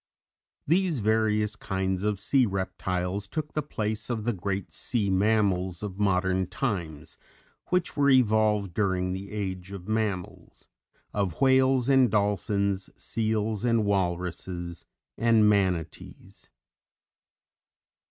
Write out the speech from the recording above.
These various kinds of sea reptiles took the place of the great sea mammals of modern times (which were evolved during the Age of Mammals); of whales and dolphins, seals and walruses, and manatees.